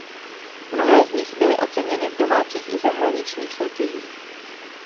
Mnohé z nich byly oceněny v domácích i zahraničních soutěžích.